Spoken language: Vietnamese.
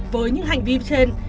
với những hành vi trên